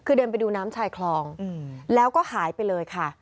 คือเดินไปดูน้ำชายคลองแล้วก็หายไปเลยค่ะ